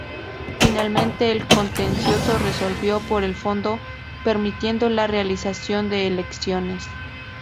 Finalmente el Contencioso resolvió por el fondo permitiendo la realización de elecciones.